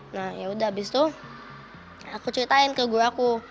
nah yaudah abis itu aku ceritain ke guru aku